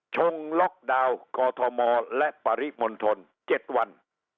ชงล็อกดาวน์กอทมและปริมณฑล๗วัน